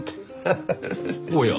おや？